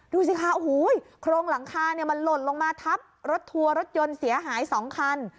ดูสิคะโอ้โหโครงหลังคามันหล่นลงมาทับรถทัวร์รถยนต์เสียหาย๒คัน